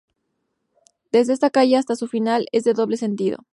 Desde esta calle hasta su final es de doble sentido.